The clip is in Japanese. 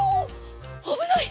あぶない！